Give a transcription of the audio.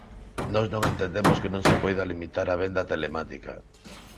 Nós non entendemos que non se poida limitar a venda telemática.